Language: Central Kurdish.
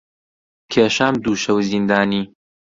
کێشام دوو شەو زیندانی